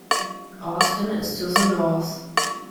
Austin is to the north.